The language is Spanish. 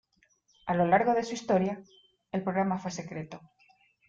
A lo largo de su historia, el programa fue secreto.